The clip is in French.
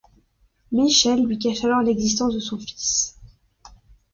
Michèle lui cache alors l'existence de son fils.